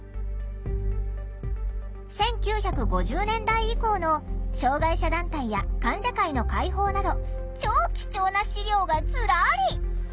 １９５０年代以降の障害者団体や患者会の会報など超貴重な資料がずらり！